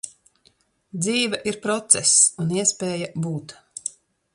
Dzīve ir process un iespēja būt.